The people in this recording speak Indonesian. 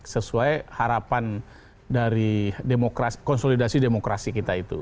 sesuai harapan dari konsolidasi demokrasi kita itu